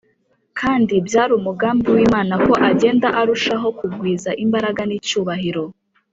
kandi byari umugambi w’imana ko agenda arushaho kugwiza imbaraga n’icyubahiro,